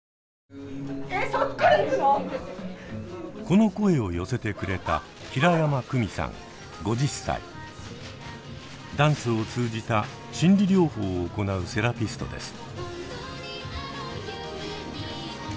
この声を寄せてくれたダンスを通じた心理療法を行うセラピストです。